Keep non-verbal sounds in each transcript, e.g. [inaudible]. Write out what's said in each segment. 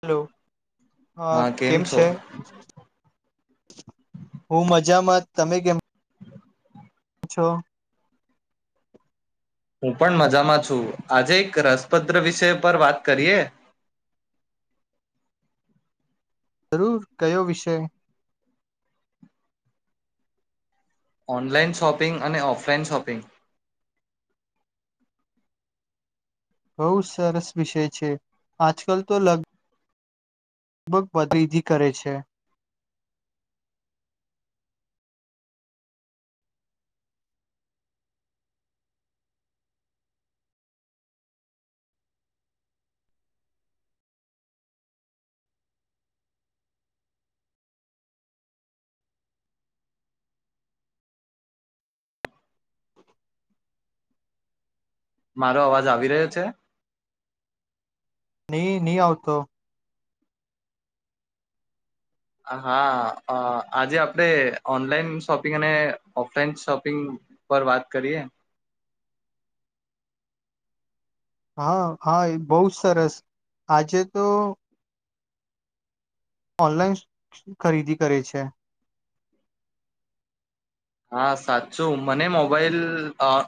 Hello હ હા કેમ છો છે હું મજામાં તમે કેમ છો હું પણ મજામાં છું આજે એક રસપદ્ર વિષય પર વાત કરીએ જરૂર કયો વિષય ઓનલાઈન શોપિંગ અને ઓફલાઈન શોપિંગ બહુ સરસ વિષય છે આજકાલ તો લગ લગભગ વધરીધી કરે છે મારો અવાજ આવી રહ્યો છે નહી નહી આવતો હા આજે આપણે ઓનલાઈન શોપિંગ અને ઓફલાઈન શોપિંગ પર વાત કરીએ હા હા એ બહુ સરસ આજે તો ઓનલાઈન ખરીદી કરે છે હા સાચું મને મોબાઈલ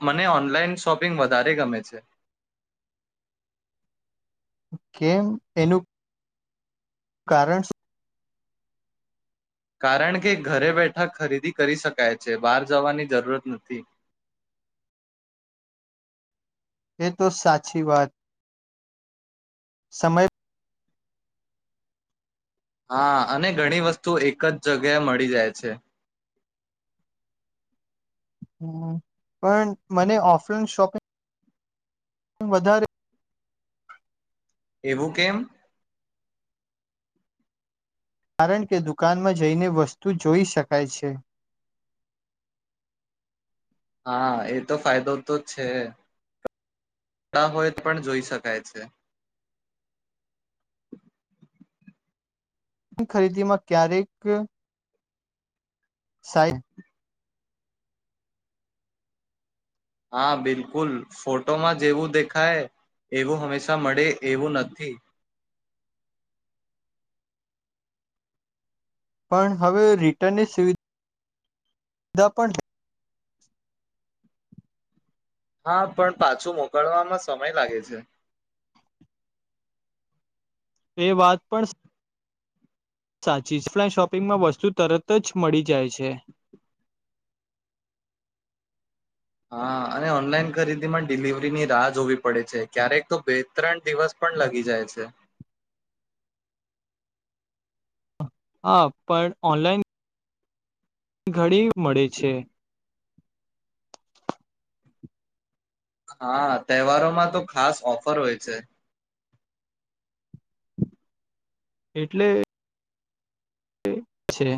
મને ઓનલાઈન શોપિંગ વધારે ગમે છે કેમ એનું કારણ કારણ કે ઘરે બેઠા ખરીદી કરી શકાય છે બહાર જવાની જરૂરત નથી એ તો સાચી વાત સમય હા અને ઘણી વસ્તુ એક જ જગ્યાએ મળી જાય છે હમ્મ પણ મને ઓફલાઈન શોપિંગ વધારે એવું કેમ કારણ કે દુકાનમાં જઈને વસ્તુ જોઈ શકાય છે હા એ તો ફાયદો તો છે, ના હોય પણ જોઈ શકાય છે. ખરીદીમાં ક્યારેક સાઈ હા બિલકુલ ફોટોમાં જેવું દેખાય, એવું હંમેશા મળે એવું નથી. પણ, હવે રિટર્નની સુવિધા. દ પણ હા, પણ પાછું મોકલવામાં સમય લાગે છે. તે વાત પણ સ સાચી ઓનલાઈન શોપિંગમાં વસ્તુ તરત જ મળી જાય છે. [unintelligible] હા, અને ઓનલાઈન ખરીદીમાં ડિલિવરીની રાહ જોવી પડે છે. ક્યારેક તો બે ત્રણ દિવસ પણ લગી જાય છે. હા પણ ઓનલાઈન ઘણી, મળે છે, હા, તહેવારો માં તો, ખાસ ઓફર હોય છે. એટલે! છે.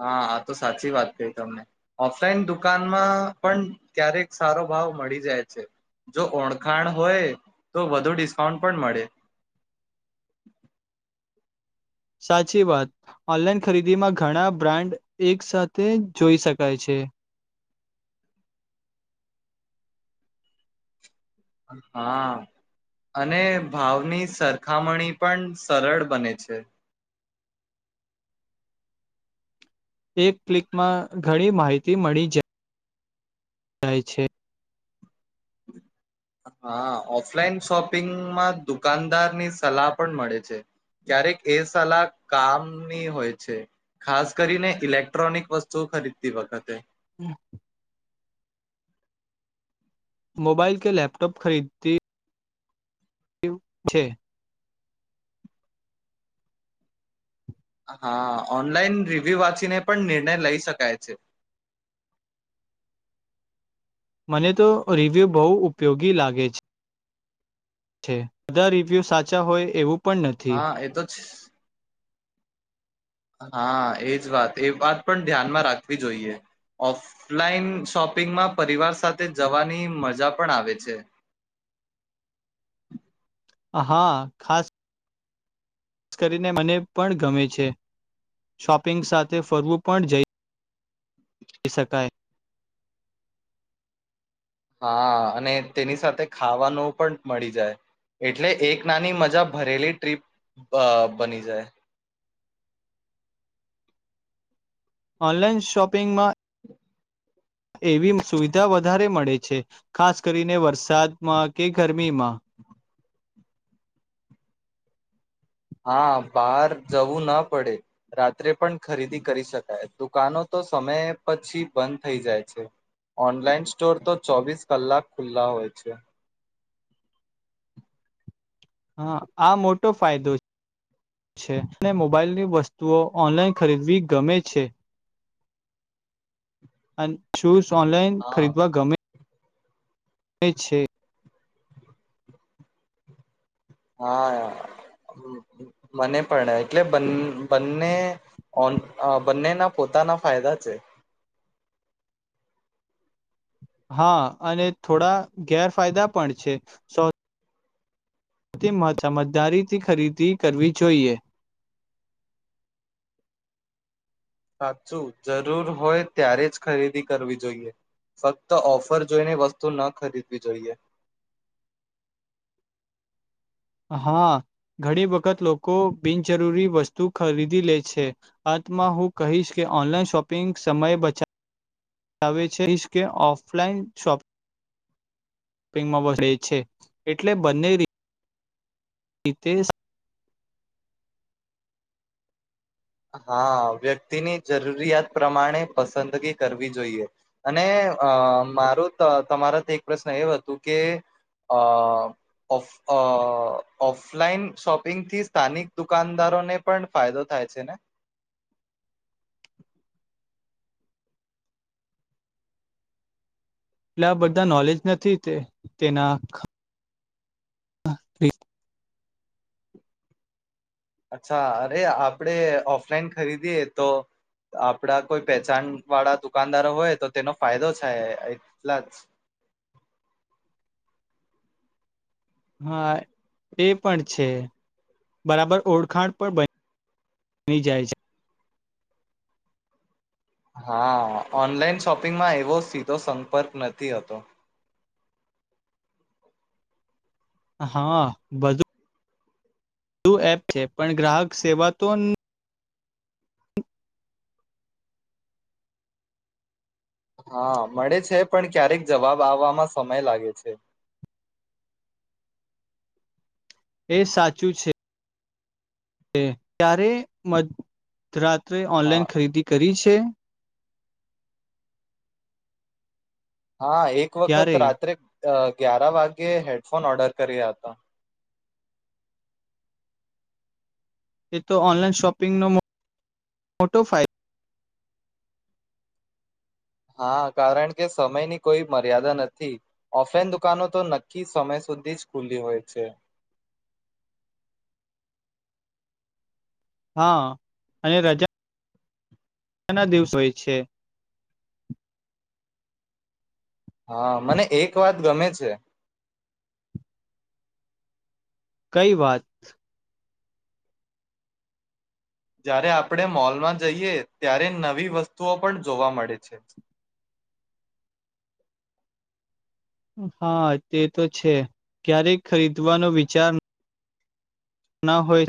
હા આ તો સાચી વાત કઈ તમને, ઓફલાઈન દુકાનમાં પણ ક્યારેક સારો ભાવ મળી જાય છે. જો ઓળખાણ હોય તો વધુ ડિસ્કાઉન્ટ પણ મળે. [unintelligible] સાચી વાત, ઓનલાઈન ખરીદીમાં ઘણા બ્રાન્ડ એક સાથે જોઈ શકાય છે. હા અને ભાવની સરખામણી પણ સરળ બને છે. એક ક્લિકમાં ઘણી માહિતી મળી જાય થાય છે. હા, ઓફલાઈન શોપિંગમાં દુકાનદારની સલાહ પણ મળે છે. ક્યારેક એ સલાહ કામની હોય છે. ખાસ કરીને ઇલેક્ટ્રોનિક વસ્તુ ખરીદતી વખતે. હમ, મોબાઈલ કે લેપટોપ ખરીદી તી છે. હા ઓનલાઈન રિવ્યુ વાંચીને પણ, નિર્ણય લઈ શકાય છે. મને તો રિવ્યૂ બહુ ઉપયોગી લાગે છે. છે, બધા રિવ્યુ સાચા હોય એવું પણ નથી હા એ તો જ હા, એ જ વાત એ વાત પણ ધ્યાનમાં રાખવી જોઈએ, ઓફલાઈન શોપિંગમાં પરિવાર સાથે જવાની મજા પણ આવે છે. હા ખાસ ખાસ કરીને મને પણ ગમે છે. શોપિંગ સાથે ફરવું પણ જઈ [inaudible] શકાય હા અને તેની સાથે ખાવાનું પણ મળી જાય. એટલે એક નાની મજા ભરેલી ટ્રીપ અઅ બની જાય. ઓનલાઈન શોપિંગમાં [unintelligible] એવી સુવિધા વધારે મળે છે ખાસ કરીને વરસાદમાં કે ગરમી મી માં. હા બહાર જવું ના પડે, રાત્રે પણ ખરીદી કરી શકાય. દુકાનો તો સમય પછી બંધ થઈ જાય છે. ઓનલાઈન સ્ટોર તો ચોવીસ કલાક ખુલ્લા હોય છે. હા આ મોટો ફાયદો [unintelligible] છે. અને મોબાઈલની વસ્તુઓ ઓનલાઈન ખરીદવી ગમે છે. અને શુંઝ ઓનલાઈન હા ખરીદવા ગમે હ [inaudible] છે હા મને પણ એટલે બંને બંને ઓન બઃન્નેનાં પોતાના ફાયદા છે હા અને થોડા ગેરફાયદા પણ છે. સ તેમજ સમજદારીથી ખરીદી કરવી જોઈએ. સાચું, જરૂર હોય ત્યારે જ ખરીદી કરવી જોઈએ, ફક્ત ઓફર જોઈને વસ્તુ ન ખરીદવી જોઈએ. હા ઘણી વખત લોકો બિનજરૂરી વસ્તુ ખરીદી લે છે. અંતમાં હું કહીશ કે ઓનલાઈન શોપિંગ સમયે બચાવા વે છે ઈશ કે ઓફલાઈન શોપિ પિમાં બ એ છે એટલે બંને હીતેસ હા વ્યક્તિની જરૂરિયાત પ્રમાણે પસંદગી કરવી જોઈએ અને અ મારો તમારાથી એક પ્રશ્ન એવ હતોું કે અફ અ ઓફલાઈન શોપિંગ થી સ્થાનિક દુકાનદારોને પણ ફાયદો થાય છે ને એટલે આ બધા નોલેજ નથી તે તેના અચ્છા અરે આપડે ઓફલાઈન ખરીદીએ તો આપડા કોઈ પહેચણ વાળા દુકાનદારો હોય તો તેનો ફાયદો થાય એટલા જ હા એ પણ છે બરાબર ઓળખાણ પણ બ બની જાય છે હા ઓનલાઈન શોપિંગમાં એવો સીધો સંપર્ક નથી થતો હા બધું બું એપ છે પણ ગ્રાહક સેવા તો હા મળે છે પણ ક્યારેક જવાબ આવવામાં સમય લાગે છે એ સાચું છે કે ત્યારે મ રાત્રે હા ઓનલાઈન ખરીદી કરી છે હા એક વખત ક્યારે રાત્રે અ ગ્યારા વાગ્યે હેડફોન ઓર્ડર કર્યા હતા એ તો ઓનલાઈન શોપિંગનો મોટો ફાયદો હા કારણ કે સમયની કોઈ મર્યાદા નથી ઓફલાઈન દુકાનો તો નક્કી સમય સુધી જ ખુલ્લી હોય છે હા અને રજા ના દિવસ હોયે છે હા મને એક વાત ગમે છે કઈ વાત જ્યારે આપણે મોલમાં જઈએ ત્યારે નવી વસ્તુઓ પણ જોવા મળે છે હા તે તો છે ક્યારે ખરીદવાનો વિચાર ના હોય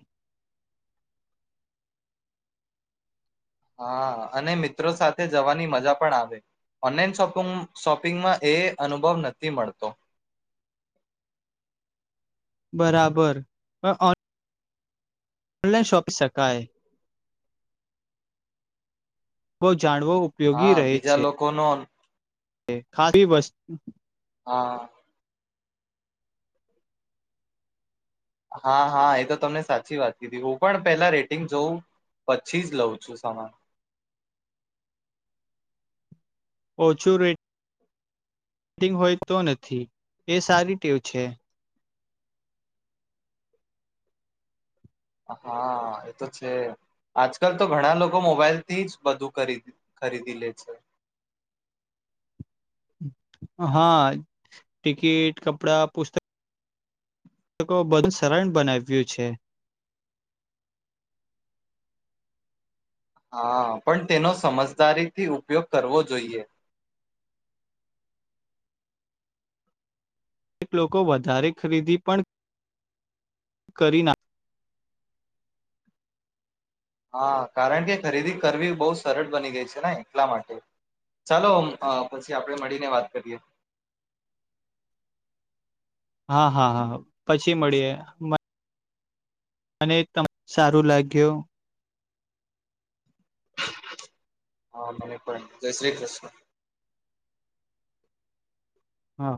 હા અને મિત્રો સાથે જવાની મજા પણ આવે ઓનલાઈન શોપ શોપિંગમાં એ અનુભવ નથી મળતો બરાબર ઓન ઓનલાઇન શોપિ શકાય બોજ જાણવો ઉપયોગી હા રહે બીજા છે લોકોનો ખાલી વસ્તુ હા હા હા એ તો તમને સાચી વાત કીધી હું પણ પેલા રેટિંગ જોઉં પછી જ લઉં છું સમાન ઓછું રેટિંગ હોય તો નથી એ સારી ટેવ છે હા એ તો છે આજકાલ તો ઘણા લોકો મોબાઈલથી જ બધું ખ ખરીદી લે છે હા ટિકિટ કપડા પુસ્તક પુસ્તકો બંધ સરણ બનાવ્યું છે હા પણ તેનો સમજદારીથી ઉપયોગ કરવો જોઈએ અનેક લોકો વધારે ખરીદી પણ કરી નાખ હા કારણ કે ખરીદી કરવી બહુ સરળ બની ગઈ છે ને એટલા માટે ચાલો અ પછી આપણે મળીને વાત કરીએ હા હા હા પછી મળીએ મને તમને સારું લાગ્યું હા મને પણ જય શ્રી કૃષ્ણ હા